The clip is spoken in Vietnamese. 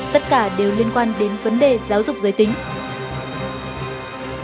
tất cả đều liên quan đến vấn đề giáo dục giới tính